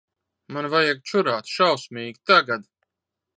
Man vajag čurāt. Šausmīgi. Tagad.